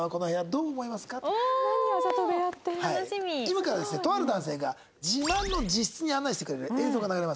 今からですねとある男性が自慢の自室に案内してくれる映像が流れます。